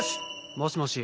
もしもし？